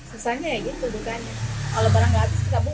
susahnya ya gitu kalau barang gak habis kita buang